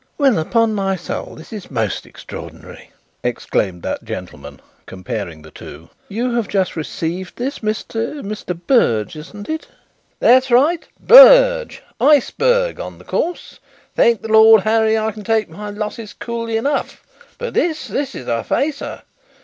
"Well, upon my soul this is most extraordinary," exclaimed that gentleman, comparing the two. "You have just received this, Mr. Mr. Berge, isn't it?" "That's right, Berge 'Iceberg' on the course. Thank the Lord Harry, I can take my losses coolly enough, but this this is a facer.